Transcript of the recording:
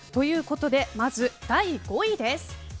まず第５位です。